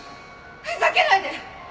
ふざけないで！